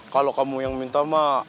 kalau kamu yang minta mak